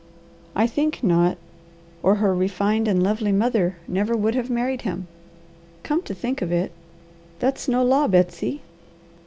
I think not or her refined and lovely mother never would have married him. Come to think of it, that's no law, Betsy.